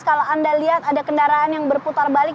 kalau anda lihat ada kendaraan yang berputar balik